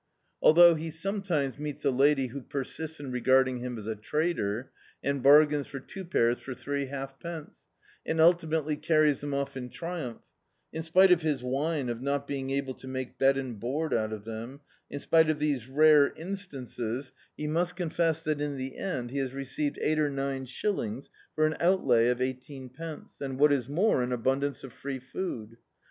Althou^ he sranetimes meets a lady who persists in regarding him as a trader and bargains for two pairs for three halfpence, and ultimately carries them off in tri umph — in spite of his whine of not being able to make bed and board out of them — in spite of these rare instances, he must confess that in the end he has received eight or nine shillings for an outlay of eighteen pence, and, what is more, an abundance of free food.